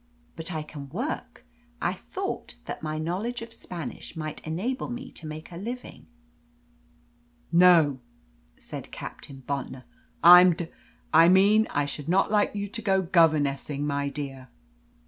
But I can work. I thought that my knowledge of Spanish might enable me to make a living." "No," said Captain Bontnor, "I'm d I mean I should not like you to go governessing, my dear."